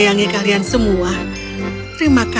apakah semua ini membuatmu sedikit lapar teman